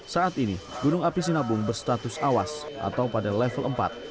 saat ini gunung api sinabung berstatus awas atau pada level empat